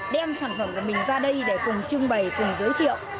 đem sản phẩm của mình ra đây để cùng trưng bày cùng giới thiệu